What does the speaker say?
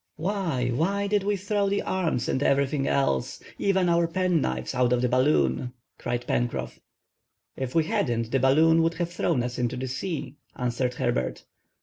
"Why, why did we throw the arms and everything else, even our penknives, out of the balloon?" cried Pencroff. "If we hadn't, the balloon would have thrown us into the sea," answered Herbert.